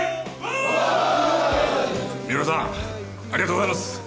三浦さんありがとうございます。